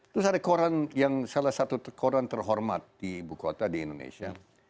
terus ada koran yang salah satu koran terhormat di ibu kota di indonesia